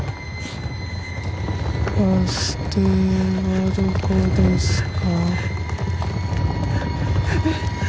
バス停はどこですか？